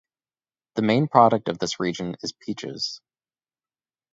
The main product of this region is peaches.